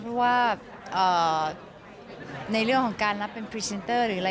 เพราะว่าในเรื่องของการรับเป็นพรีเซนเตอร์หรืออะไร